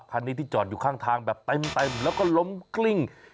คันนี้ที่จอดอยู่ข้างทางแบบเต็มแล้วก็ล้มกลิ้ง